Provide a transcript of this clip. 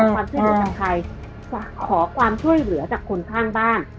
ความชื่นหัวใจใครจะขอความช่วยเหลือจากคนข้างบ้าน